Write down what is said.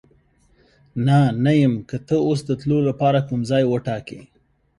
نه، نه یم، که ته اوس د تلو لپاره کوم ځای وټاکې.